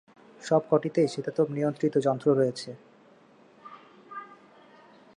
সব কটিতেই শীতাতপ নিয়ন্ত্রণ যন্ত্র রয়েছে।